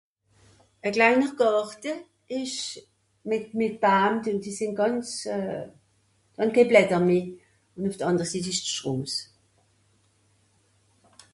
e kleiner Gàrte isch's mit mit Baam, die die sin gànz euh hàn kenn Blätter meh un uff de ànder Sitt isch d Stroos